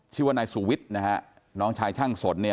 ชื่อว่านายสุวิทย์นะฮะน้องชายช่างสนเนี่ย